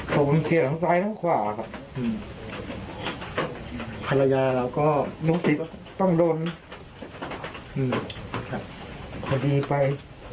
ผมเจอทางซ้ายทางขวาค่ะฮัลยาคุณติดต้องด่นจริงต่อดีไป